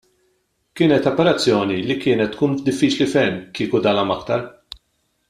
Kienet operazzjoni li kienet tkun diffiċli ferm kieku dalam aktar.